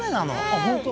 あっ本当